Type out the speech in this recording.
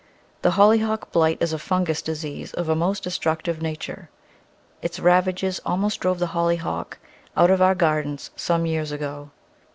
The Hollyhock blight is a fungous disease of a most destructive nat ure. Its ravages almost drove the Hollyhock out of our gardens some years ago.